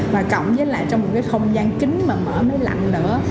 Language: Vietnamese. và cộng với lại trong một cái không gian kính mà mở mấy lạnh nữa